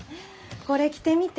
これ着てみて。